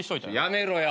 やめろや。